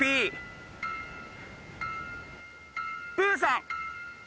プーさん。